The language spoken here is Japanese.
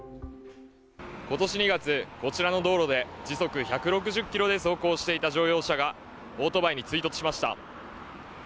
今年２月、こちらの道路で時速１６０キロで走行していた乗用車がオートバイに追突しました。